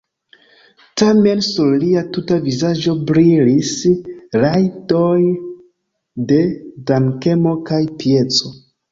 Tamen sur lia tuta vizaĝo brilis radioj de dankemo kaj pieco.